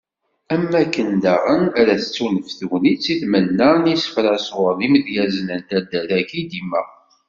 Am wakken daɣen ara tettunefk tegnit i tmenna n yisefra sɣur yimedyazen n taddart-agi dimma.